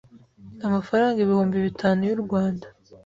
amafaranga ibihumbi bitanu y u Rwanda